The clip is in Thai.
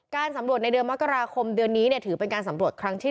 สำรวจในเดือนมกราคมเดือนนี้ถือเป็นการสำรวจครั้งที่๑